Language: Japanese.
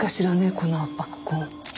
この圧迫痕。